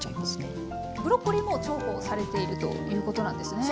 ブロッコリーも重宝されているということなんですね。